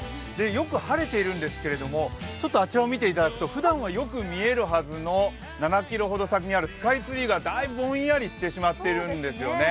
よく晴れているんですけれども、あちらを見ていただくと、ふだんはよく見えるはずの７ｋｍほど先にあるスカイツリーがだいぶぼんやりしてしまっているんですよね。